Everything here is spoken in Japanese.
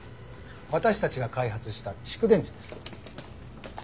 私たちが開発した蓄電池です。